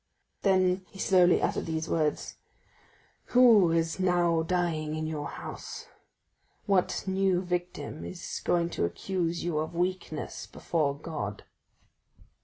Then he slowly uttered these words, "Who is now dying in your house? What new victim is going to accuse you of weakness before God?"